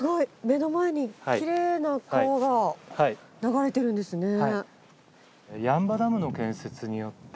目の前にきれいな川が流れてるんですね。